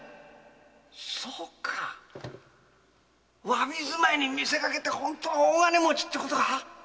そうか侘び住まいに見せかけて本当は大金持ちってことか！